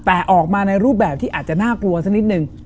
แต่ออกมาในรูปแบบที่อาจจะน่ากลัวสักนิดนึง